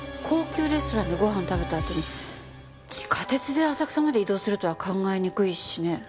高級レストランでご飯を食べたあとに地下鉄で浅草まで移動するとは考えにくいしね。